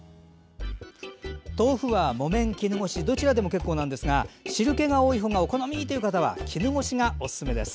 豆腐は、木綿、絹ごしどちらでも結構ですが汁けが多いほうがお好みという方には絹ごし豆腐がおすすめです。